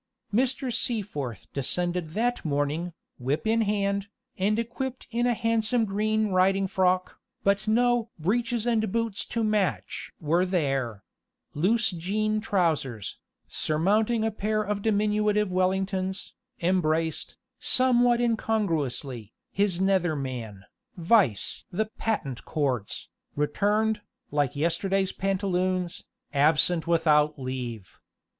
Mr. Seaforth descended that morning, whip in hand, and equipped in a handsome green riding frock, but no "breeches and boots to match" were there: loose jean trousers, surmounting a pair of diminutive Wellingtons, embraced, somewhat incongruously, his nether man, vice the "patent cords," returned, like yesterday's pantaloons, absent without leave.